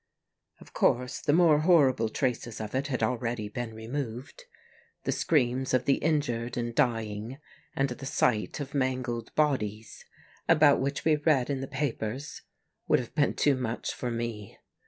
Of course, the more horrible traces of it had already been removed ; the screams of the injured and dying and the sight of mangled bodies, about which we read in the 73 E THE MAGNET papers, would have been too much for me.